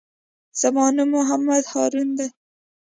زما نوم محمد هارون دئ.